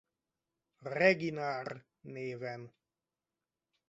Reginár néven.